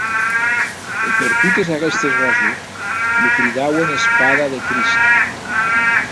E per totes aguestes rasons lo cridauen Espada de Crist.